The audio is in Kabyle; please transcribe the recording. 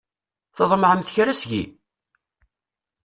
Tḍemɛemt kra seg-i?